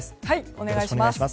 お願いします。